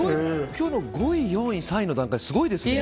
今日は５位、４位、３位の段階ですごいですね。